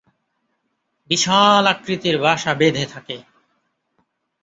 বিশাল আকৃতির বাসা বেঁধে থাকে।